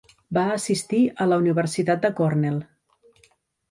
Va assistir a la Universitat de Cornell.